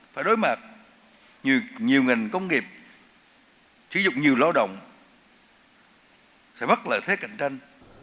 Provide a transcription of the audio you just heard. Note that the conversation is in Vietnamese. phải đối mạc nhiều ngành công nghiệp sử dụng nhiều lao động sẽ mắc lợi thế cạnh tranh